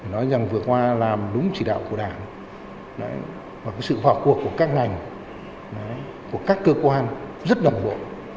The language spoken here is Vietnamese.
nói rằng vừa qua làm đúng chỉ đạo của đảng và sự vào cuộc của các ngành của các cơ quan rất đồng bộ